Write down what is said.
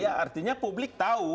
iya artinya publik tau